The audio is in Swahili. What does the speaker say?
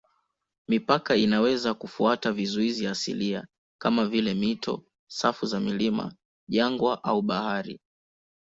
Mipaka inaweza kufuata vizuizi asilia kama vile mito, safu za milima, jangwa au bahari.